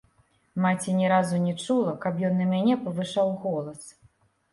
Маці не разу не чула, каб ён на мяне павышаў голас.